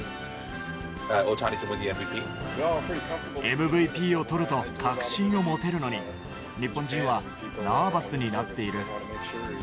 ＭＶＰを取ると確信を持てるのに、日本人はナーバスになっている。